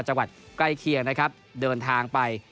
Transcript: จังหวัดใกล้เคียงนะครับเดินทางไป